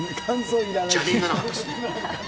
邪念がなかったですね。